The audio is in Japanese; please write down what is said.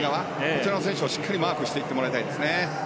こちらの選手をしっかりとマークしてもらいたいですね。